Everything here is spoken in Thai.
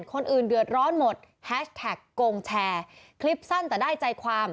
คนอื่นเดือดร้อนหมดแฮชแท็กโกงแชร์คลิปสั้นแต่ได้ใจความ